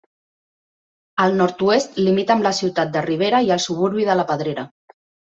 Al nord-oest limita amb la ciutat de Rivera i el suburbi de La Pedrera.